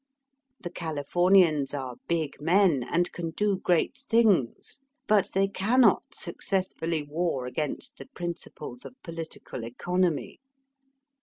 The Califomians are big men, and can do great things; but they cannot successfully war against the prin ciples of political economy.